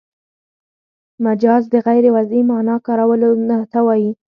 مجاز د غیر وضعي مانا کارولو ته وايي.